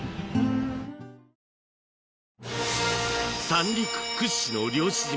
三陸屈指の漁師島